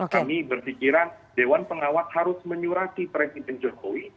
kami berpikiran dewan pengawas harus menyurati presiden jokowi